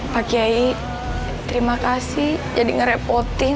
pak kiai terima kasih jadi ngerepotin